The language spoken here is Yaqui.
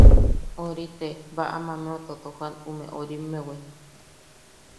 Orite baʼam ameu totojan ume orimmewi.